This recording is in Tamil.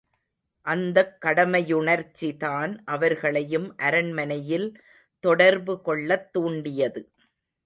அந்தக் கடமை யுணர்ச்சிதான் அவர்களையும் அரண்மனையில் தொடர்பு கொள்ளத் தூண்டியது.